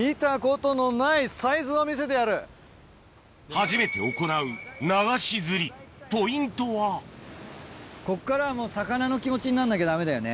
初めて行うこっからはもう魚の気持ちになんなきゃダメだよね。